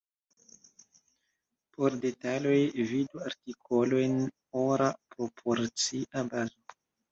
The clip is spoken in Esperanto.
Por detaloj, vidu artikolojn ora proporcia bazo.